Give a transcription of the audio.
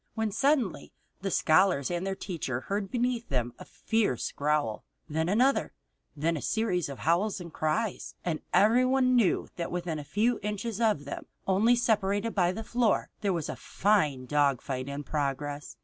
Then suddenly the scholars and the teacher heard beneath them a fierce growl, then another, then a series of howls and cries. And everyone knew that within a few inches of them, only separated by the floor, there was a fine dogfight in progress.